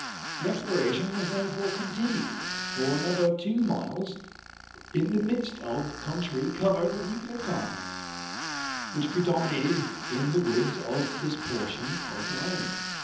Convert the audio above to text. The exploration was therefore continued for another two miles in the midst of country covered with eucalypti, which predominated in the woods of this portion of the island.